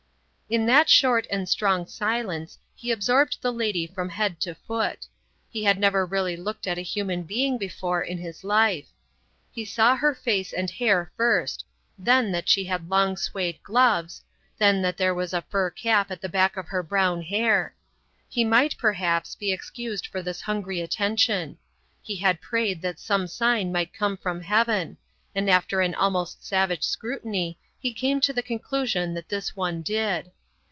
In that short and strong silence he absorbed the lady from head to foot. He had never really looked at a human being before in his life. He saw her face and hair first, then that she had long suede gloves; then that there was a fur cap at the back of her brown hair. He might, perhaps, be excused for this hungry attention. He had prayed that some sign might come from heaven; and after an almost savage scrutiny he came to the conclusion that his one did.